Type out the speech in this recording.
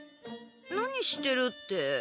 何してるって。